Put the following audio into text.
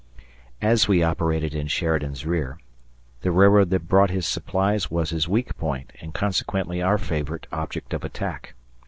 As we operated in Sheridan's rear, the railroad that brought his supplies was his weak point and consequently our favorite object of attack.